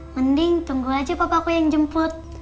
mending tunggu aja papaku yang jemput